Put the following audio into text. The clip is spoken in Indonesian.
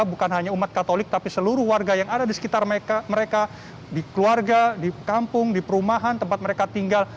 bukan hanya umat katolik tapi seluruh warga yang ada di sekitar mereka di keluarga di kampung di perumahan tempat mereka tinggal